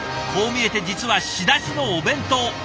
こう見えて実は仕出しのお弁当！